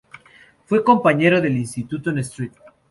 Fue compañero de instituto en St.